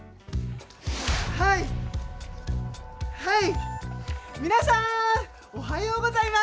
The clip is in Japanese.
はい、はい。